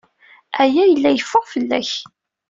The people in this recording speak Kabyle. Aya yella yeffeɣ fell-ak.